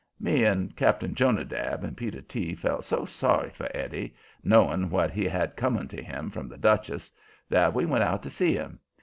Me and Cap'n Jonadab and Peter T. felt so sorry for Eddie, knowing what he had coming to him from the Duchess, that we went out to see him.